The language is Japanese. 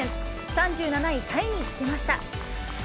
３７位タイにつけました。